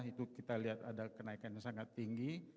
itu kita lihat ada kenaikan yang sangat tinggi